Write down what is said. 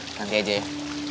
seseatu aja ya